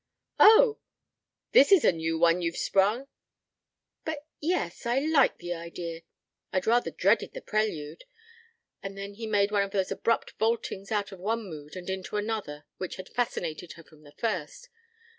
"Oh! This is a new one you've sprung. But yes I like the idea. I'd rather dreaded the prelude." And then he made one of those abrupt vaultings out of one mood into another which had fascinated her from the first.